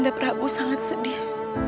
daprabu sangat sedih